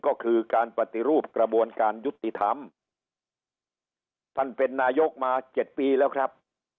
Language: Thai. ก็คือการปฏิรูปกระบวนการยุติธรรมท่านเป็นนายกมาเจ็ดปีแล้วครับ